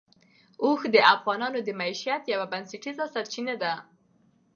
اوښ د افغانانو د معیشت یوه بنسټیزه سرچینه ده.